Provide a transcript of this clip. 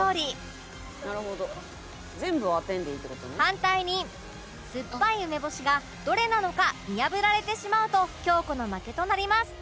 反対に酸っぱい梅干しがどれなのか見破られてしまうと京子の負けとなります